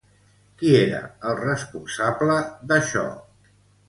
Qui era el responsable d'això?